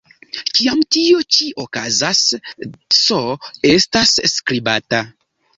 Kiam tio ĉi okazas, "ts" estas skribata.